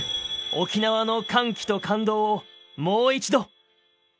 沖縄の歓喜と感動をもう一度」。